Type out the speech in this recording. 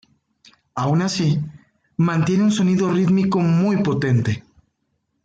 Aun así, mantiene un sonido rítmico muy potente.